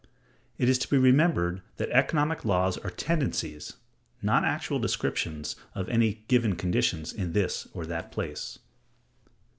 It is to be remembered that economic laws are tendencies, not actual descriptions of any given conditions in this or that place.